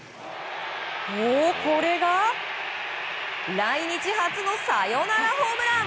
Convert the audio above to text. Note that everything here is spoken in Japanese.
これが来日初のサヨナラホームラン！